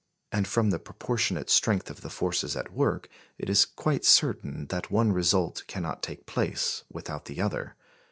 And from the proportionate strength of the forces at work, it is quite certain that one result cannot take place without the other.